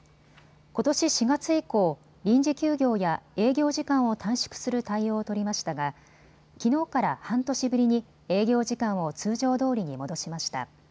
ことし４月以降、臨時休業や営業時間を短縮する対応を取りましたがきのうから半年ぶりに営業時間を通常どおりに戻しました。